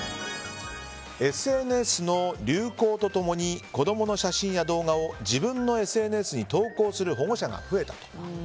ＳＮＳの流行と共に子供の写真や動画を自分のＳＮＳに投稿する保護者が増えたと。